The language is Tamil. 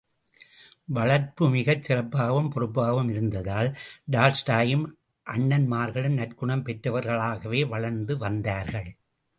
வளர்ப்பு மிகச் சிறப்பாகவும் பொறுப்பாகவும், இருந்ததால், டால்ஸ்டாயும் அண்ணன்மார்களும் நற்குணம் பெற்றவர்களாகவே வளர்ந்து வந்தார்கள்.